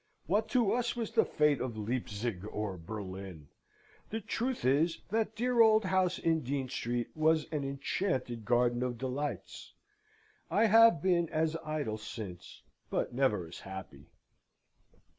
What to us was the fate of Leipzig or Berlin? The truth is, that dear old house in Dean Street was an enchanted garden of delights. I have been as idle since, but never as happy.